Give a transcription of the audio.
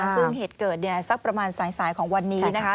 ซึ่งเหตุเกิดเนี่ยสักประมาณสายของวันนี้นะคะ